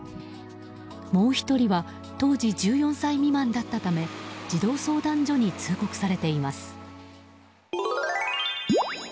もう１人は当時１４歳未満だったため児童相談所に通告されています。